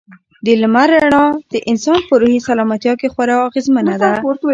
د لمر رڼا د انسان په روحي سلامتیا کې خورا اغېزمنه ده.